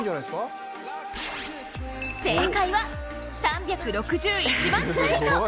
正解は３６１万ツイート。